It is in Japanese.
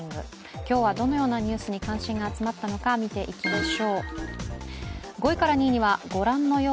今日は、どのようなニュースに関心が集まったのか、見ていきましょう。